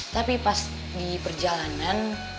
tapi pas di perjalanan